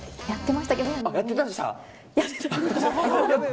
やってましたけど。